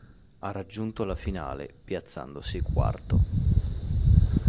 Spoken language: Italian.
Ha raggiunto la finale, piazzandosi quarto.